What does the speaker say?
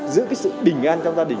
giữ cái sự bình an trong gia đình